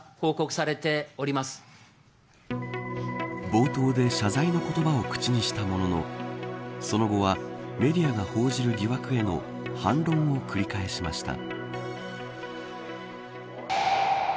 冒頭で謝罪の言葉を口にしたもののその後はメディアが報じる疑惑への反論を繰り返しました。